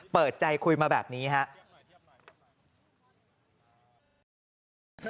เปิดใจคุยมาแบบนี้ครับ